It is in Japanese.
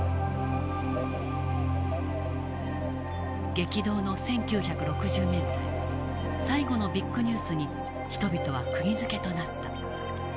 激動の１９６０年代最後のビッグニュースに人々はくぎづけとなった。